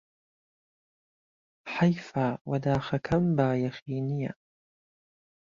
حەیفه و داخەکەم بایەخی نییە